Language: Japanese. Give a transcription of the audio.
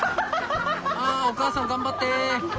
あお母さん頑張って。